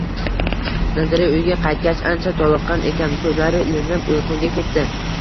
Nazira uyiga qaytgach, ancha toliqqan ekan, ko`zlari ilinib uyquga ketdi